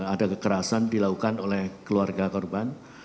ada kekerasan dilakukan oleh keluarga korban